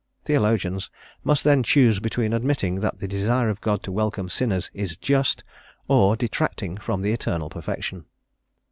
Theologians must then choose between admitting that the desire of God to welcome sinners is just, or detracting from the Eternal Perfection.